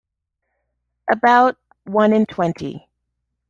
About one in twenty.